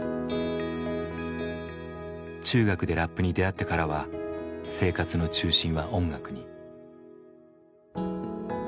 中学でラップに出会ってからは生活の中心は音楽に。